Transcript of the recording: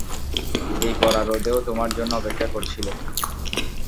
এই কড়া রোদে ও তোমার জন্য অপেক্ষা করছিল।